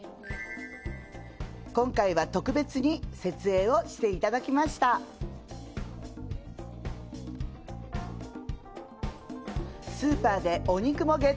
今回は特別に設営をして頂きましたスーパーでお肉もゲット